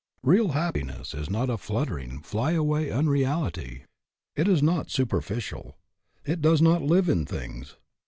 Real happiness is not a fluttering, fly away un reality. It is not superficial. It does not live in things.